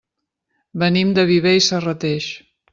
Venim de Viver i Serrateix.